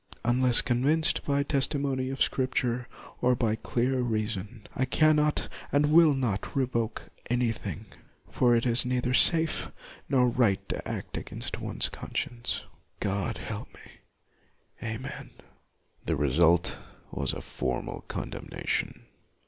Unless con vinced by the testimony of Scripture or LUTHER 19 by clear reason, I cannot and will not revoke anything, for it is neither safe nor right to act against one's conscience. God help me. Amen.' 1 The result was a formal condemnation.